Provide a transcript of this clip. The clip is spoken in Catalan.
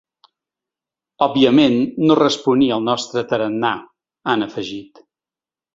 Òbviament, no responia al nostre tarannà, han afegit.